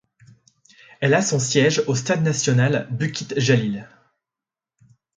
Elle a son siège au Stade national Bukit Jalil.